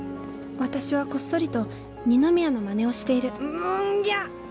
私はこっそりと二宮のまねをしているムンギャ！